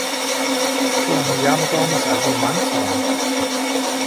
Ĉu oni jam donis al vi mantron?